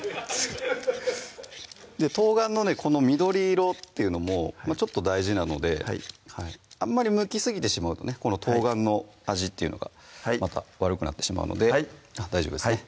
冬瓜のねこの緑色っていうのもちょっと大事なのであんまりむきすぎてしまうとねこの冬瓜の味っていうのがまた悪くなってしまうので大丈夫ですね